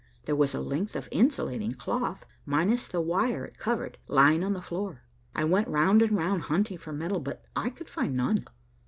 There was a length of insulating cloth, minus the wire it covered, lying on the floor. I went round and round, hunting for metal, but I could find none.